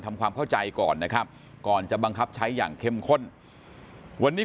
ทำความเข้าใจก่อนนะครับก่อนจะบังคับใช้อย่างเข้มข้นวันนี้